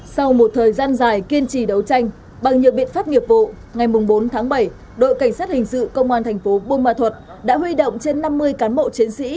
sau một thời gian dài kiên trì đấu tranh bằng nhiều biện pháp nghiệp vụ ngày bốn tháng bảy đội cảnh sát hình sự công an thành phố buôn ma thuật đã huy động trên năm mươi cán bộ chiến sĩ